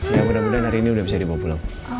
ya mudah mudahan hari ini sudah bisa dibawa pulang